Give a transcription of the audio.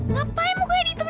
pakai mau gente